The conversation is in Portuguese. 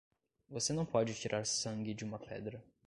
Você não pode tirar sangue de uma pedra.